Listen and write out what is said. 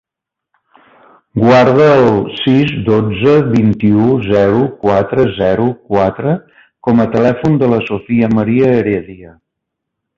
Guarda el sis, dotze, vint-i-u, zero, quatre, zero, quatre com a telèfon de la Sofia maria Heredia.